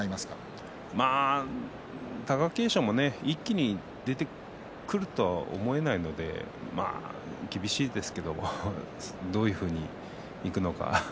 貴景勝も一気に出てくると思えないので厳しいですけどどういうふうにいくのか。